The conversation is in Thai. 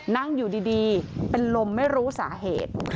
นั่งอยู่ดีเป็นลมไม่รู้สาเหตุ